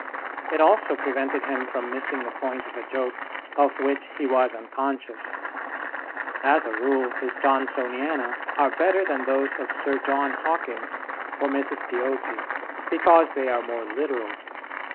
It also prevented him from missing the point of a joke of which he was unconscious. As a rule, his 'Johnsoniana' are better than those of Sir John Hawkins or Mrs. Piozzi, because they are more literal.